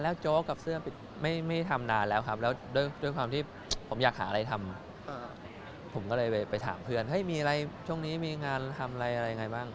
โจ๊กกับเสื้อปิดไม่ทำนานแล้วครับแล้วด้วยความที่ผมอยากหาอะไรทำผมก็เลยไปถามเพื่อนเฮ้ยมีอะไรช่วงนี้มีงานทำอะไรอะไรยังไงบ้าง